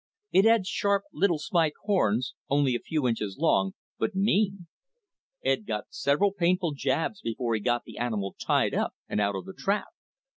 It had sharp little spike horns, only a few inches long, but mean. Ed got several painful jabs before he got the animal tied up and out of the trap.